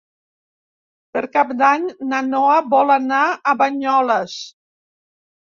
Per Cap d'Any na Noa vol anar a Banyoles.